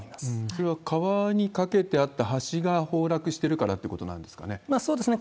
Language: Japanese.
それは川に架けてあった橋が崩落してるからということなんでそうですね。